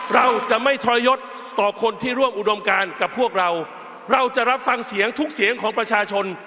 เราจะไม่ทรยศต่อคนที่ร่วมอุดมการกับพวกเราเราจะรับฟังเสียงทุกเสียงของประชาชน